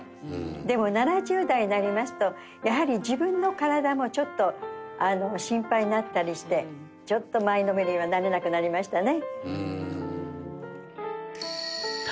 でも７０代になりますとやはり自分の体もちょっと心配になったりしてちょっと前のめりにはなれなくなりましたね。